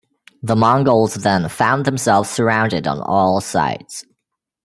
The Mongols then found themselves surrounded on all sides.